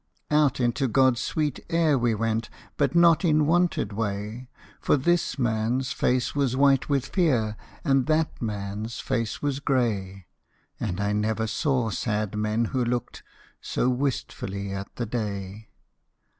Out into Godâs sweet air we went, But not in wonted way, For this manâs face was white with fear, And that manâs face was grey, And I never saw sad men who looked So wistfully at the day.